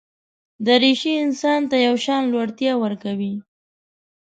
دریشي انسان ته یو شان لوړتیا ورکوي.